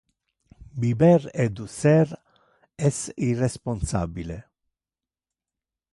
Biber e ducer es irresponsabile.